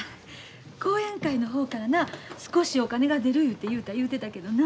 後援会の方からな少しお金が出るいうて雄太言うてたけどな。